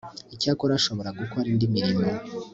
icyakora ashobora gukora indi imirimo